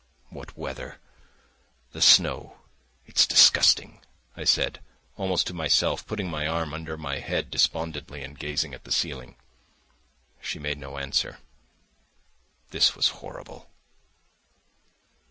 "What weather! The snow ... it's disgusting!" I said, almost to myself, putting my arm under my head despondently, and gazing at the ceiling. She made no answer. This was horrible.